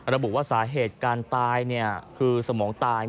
ระบุว่าสาเหตุการตายคือสมองตาย